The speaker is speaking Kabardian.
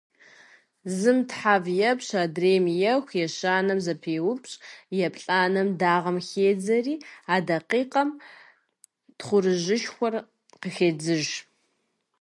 Зым тхьэв епщ, адрейм еху, ещанэм зэпеупщӀ, еплӀанэм дагъэм хедзэри, а дакъикъэм тхъурыжьышхуэхэр къыхедзыж.